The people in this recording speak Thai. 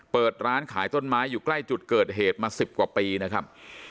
เปิดร้านขายต้นไม้อยู่ใกล้จุดเกิดเหตุมา๑๐กว่าปีนะครับ